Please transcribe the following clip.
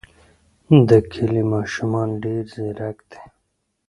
د کلي ماشومان ډېر ځیرک دي.